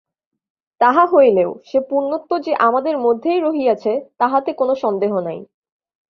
তাহা হইলেও সেই পূর্ণত্ব যে আমাদের মধ্যেই রহিয়াছে, তাহাতে কোন সন্দেহ নাই।